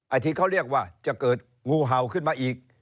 ที่เขาเรียกว่าจะเกิดงูเห่าขึ้นมาอีก